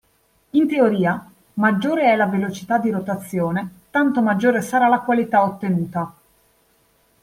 In teoria maggiore è la velocità di rotazione, tanto maggiore sarà la qualità ottenuta.